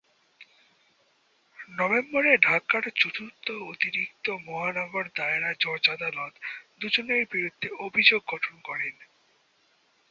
নভেম্বরে ঢাকার চতুর্থ অতিরিক্ত মহানগর দায়রা জজ আদালত দু’জনের বিরুদ্ধে অভিযোগ গঠন করেন।